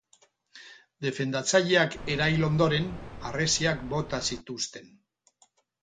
Defendatzaileak erail ondoren, harresiak bota zituzten.